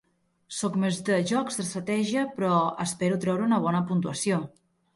Soc més de jocs d'estratègia, però espero treure una bona puntuació.